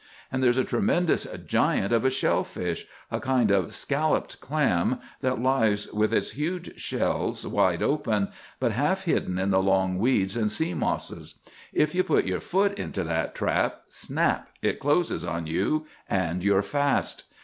And there's a tremendous giant of a shell fish,—a kind of scalloped clam, that lies with its huge shells wide open, but half hidden in the long weeds and sea mosses. If you put your foot into that trap—snap! it closes on you, and you're fast!